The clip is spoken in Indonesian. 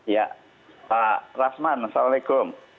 ya pak rasman assalamualaikum